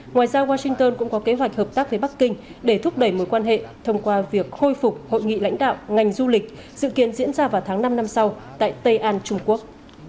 ngoài ra washington cũng có kế hoạch hợp tác với bắc kinh để thúc đẩy mối quan hệ thông qua việc khôi phục hội nghị lãnh đạo ngành du lịch dự kiến diễn ra vào tháng năm năm sau tại tây an trung quốc